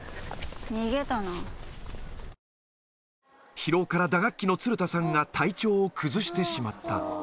疲労から打楽器の鶴田さんが体調を崩してしまった。